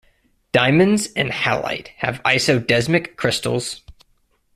Diamonds and halite have isodesmic crystals.